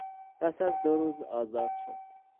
پس از دو روز آزاد شد.